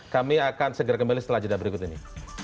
kami akan segera kembali setelah jeda berikut ini